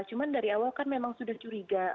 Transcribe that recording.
cuma dari awal kan memang sudah curiga